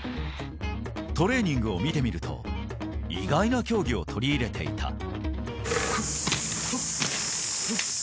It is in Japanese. トレーニングを見てみると、意外な競技を取り入れていた。